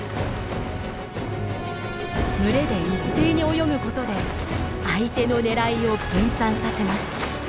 群れで一斉に泳ぐことで相手の狙いを分散させます。